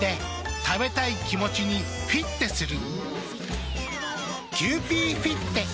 食べたい気持ちにフィッテする。